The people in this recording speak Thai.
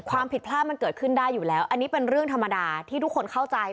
ความผิดพลาดมันเกิดขึ้นได้อยู่แล้วอันนี้เป็นเรื่องธรรมดาที่ทุกคนเข้าใจ